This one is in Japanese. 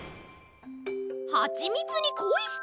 「はちみつにコイして」！？